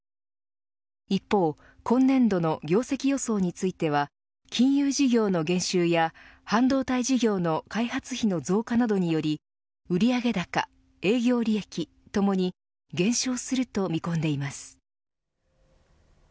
一方今年度の業績予想については金融事業の減収や半導体事業の開発費の増加などにより売上高、営業利益ともに減少すると見込んでいます。